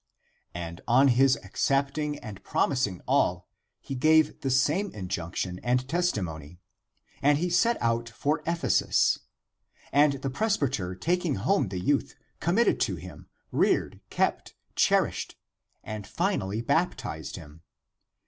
And on his accepting and promising all he gave the same injunction and testimony. And he set out for Ephesus. And the presbyter taking home the youth committed to him, reared, kept, cherished, and finally baptized him.